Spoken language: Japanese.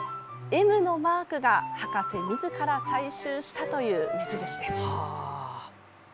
「Ｍ」のマークが博士みずから採集したという目印です。